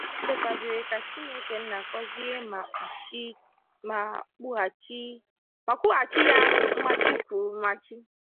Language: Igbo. O kpekwazịrị ka Chineke nna gọzie ma kwụghachi ya mmaji kwuru mmaji